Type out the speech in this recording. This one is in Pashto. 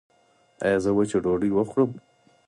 ایا زه وچه ډوډۍ وخورم؟